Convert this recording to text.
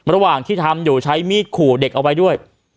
ระหว่างที่ทำอยู่ใช้มีดขู่เด็กเอาไว้ด้วย